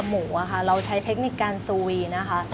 หมูค่ะเราใช้เทคนิคการซูวีนะคะ